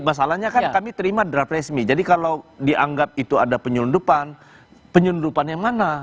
masalahnya kan kami terima draft resmi jadi kalau dianggap itu ada penyelundupan penyelundupan yang mana